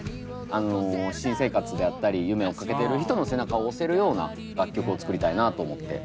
あの新生活であったり夢追っかけてる人の背中を押せるような楽曲を作りたいなと思って。